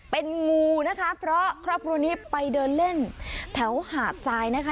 เป็นงูนะคะเพราะครอบครัวนี้ไปเดินเล่นแถวหาดทรายนะคะ